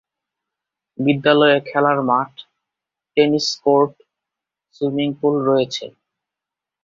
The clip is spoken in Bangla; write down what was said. বিদ্যালয়ে খেলার মাঠ, টেনিস কোর্ট, সুইমিং পুল রয়েছে।